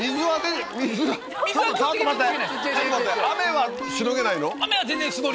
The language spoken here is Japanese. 雨はしのげないの？